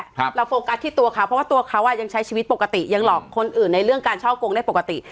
กรรมของตัวเขาผู้กัดชีวิตปกติยังหลอกคนอื่นในเรื่องการเช่าเกงได้ปกติ